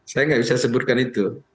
saya nggak bisa sebutkan itu